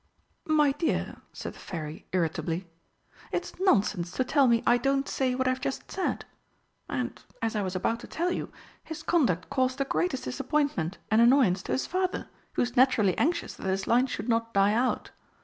"My dear," said the Fairy irritably, "it's nonsense to tell me I don't say what I've just said! And, as I was about to tell you, his conduct caused the greatest disappointment and annoyance to his father, who is naturally anxious that his line should not die out.